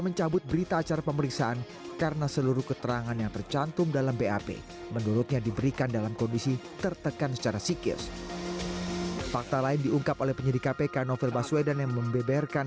nah udahlah sekarang kita lihat di sidang pengadilan